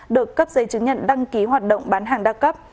được cấp giấy chứng nhận đăng ký hoạt động bán hàng đa cấp